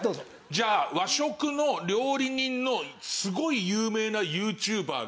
じゃあ和食の料理人のすごい有名なＹｏｕＴｕｂｅｒが紹介してる。